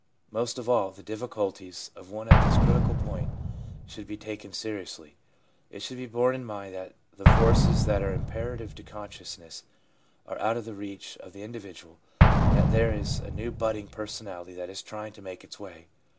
Most of all, the difficulties of one at this critical point should be taken seriously. It should be borne in mind that the forces that are imperative to consciousness are out of the reach of the individual, that there is a new budding personality that is trying to make its way.